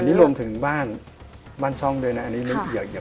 อันนี้รวมถึงบ้านช่องด้วยนะอันนี้อย่าเพิ่งเปลี่ยน